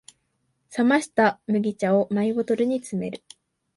冷ました麦茶をマイボトルに詰める